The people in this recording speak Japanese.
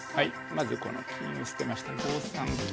まずこの金を捨てまして５三金。